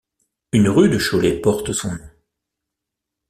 Une rue de Cholet porte son nom.